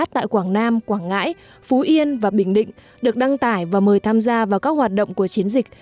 vụ thảm sát tại quảng nam quảng ngãi phú yên và bình định được đăng tải và mời tham gia vào các hoạt động của chiến dịch